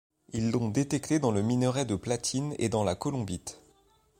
Ils l'ont détecté dans le minerai de platine et dans la colombite.